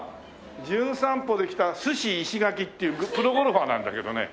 『じゅん散歩』で来たすし石垣っていうプロゴルファーなんだけどね。